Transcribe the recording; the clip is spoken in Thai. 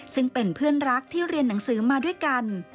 ซึ่งเป็นเพื่อนรักที่เรียนหนังสือมาด้วยกัน